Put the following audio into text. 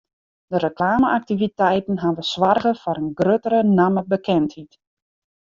De reklame-aktiviteiten hawwe soarge foar in gruttere nammebekendheid.